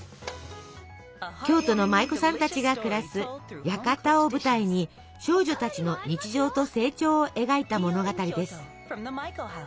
京都の舞妓さんたちが暮らす「屋形」を舞台に少女たちの日常と成長を描いた物語です。